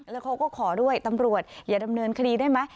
แล้วเขาก็ขอด้วยตำรวจอย่าดำเนินคดีได้ไหม